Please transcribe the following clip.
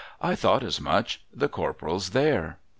' I thought as much. The Corporal's there.'